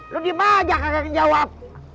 lu di mana aja kagak ngejawab